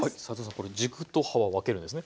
これ軸と葉は分けるんですね？